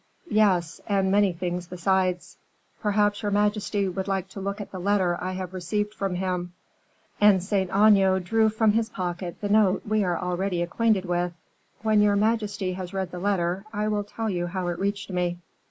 "Yes; and many things besides. Perhaps your majesty would like to look at the letter I have received from him;" and Saint Aignan drew from his pocket the note we are already acquainted with. "When your majesty has read the letter, I will tell you how it reached me."